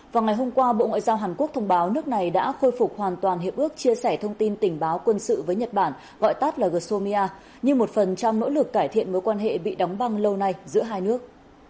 vào ngày hôm qua bộ ngoại giao hàn quốc thông báo nước này đã khôi phục hoàn toàn hiệp ước chia sẻ thông tin tình báo quân sự với nhật bản gọi tắt là gsomia như một phần trong nỗ lực cải thiện mối quan hệ bị đóng băng lâu nay giữa hai nước